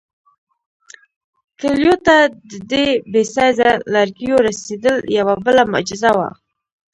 کلیو ته د دې بې سایزه لرګیو رسېدل یوه بله معجزه وه.